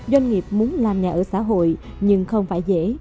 doanh nghiệp muốn làm nhà ở xã hội nhưng không phải dễ